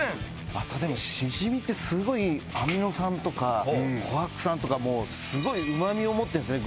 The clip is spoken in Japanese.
またでもしじみってすごいアミノ酸とかコハク酸とかもうすごいうま味を持ってるんですね